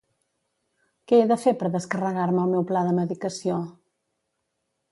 Què he de fer per descarregar-me el meu pla de medicació?